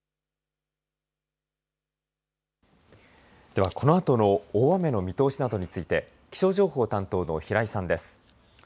では、このあとの大雨の見通しなどについて気象情報担当の平井さんです。